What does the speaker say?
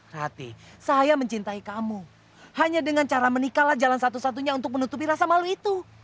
hati saya mencintai kamu hanya dengan cara menikahlah jalan satu satunya untuk menutupi rasa malu itu